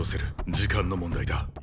時間の問題だ。